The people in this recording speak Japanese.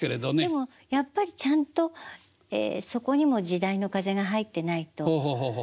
でもやっぱりちゃんとそこにも時代の風が入ってないといけない。